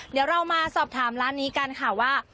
เดี๋ยวเรามาสอบถามร้านนี้กันค่ะว่า